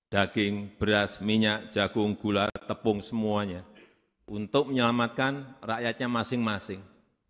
daging beras minyak jagung gula tepung semuanya untuk menyelamatkan rakyatnya masing masing